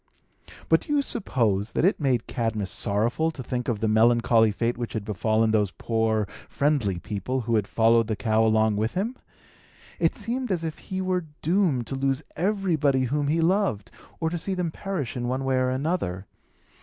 But do not you suppose that it made Cadmus sorrowful to think of the melancholy fate which had befallen those poor, friendly people, who had followed the cow along with him? It seemed as if he were doomed to lose everybody whom he loved, or to see them perish in one way or another.